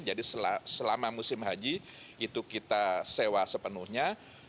jadi selama musim haji itu kita sewa sepenuhnya